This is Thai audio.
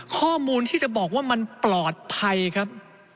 ข้อมูลที่จะบอกว่ามันปลอดภัยครับ